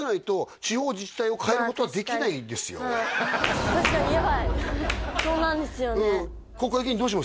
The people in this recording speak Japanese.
でもやっぱり確かにやばいそうなんですよね